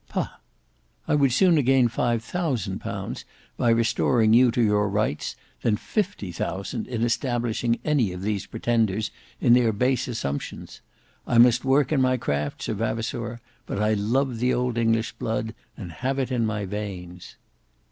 Pah! I would sooner gain five thousand pounds by restoring you to your rights, than fifty thousand in establishing any of these pretenders in their base assumptions. I must work in my craft, Sir Vavasour, but I love the old English blood, and have it in my veins."